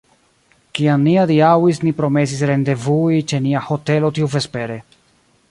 Kiam ni adiaŭis, ni promesis rendevui ĉe nia hotelo tiuvespere.